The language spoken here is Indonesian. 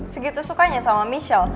segitu sukanya sama michelle